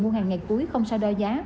mua hàng ngày cuối không sao đo giá